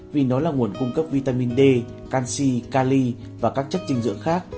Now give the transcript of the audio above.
vì nó là nguồn cung cấp vitamin d canxi cali và các chất dinh dưỡng khác